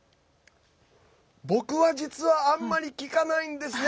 僕は実はあんまり聴かないんですね。